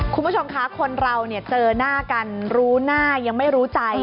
คุณผู้ชมคะคนเราเจอหน้ากันรู้หน้ายังไม่รู้ใจ